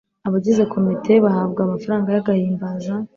abagize komite bahabwa amafaranga yagahimbaza